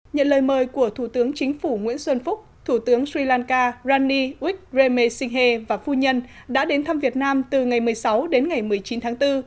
nhận lời mời của thủ tướng chính phủ nguyễn xuân phúc thủ tướng sri lanka rani wik reme singhe và phu nhân đã đến thăm việt nam từ ngày một mươi sáu đến ngày một mươi chín tháng bốn